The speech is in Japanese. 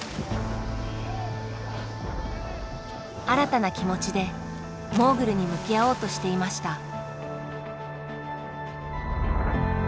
新たな気持ちでモーグルに向き合おうとしていました。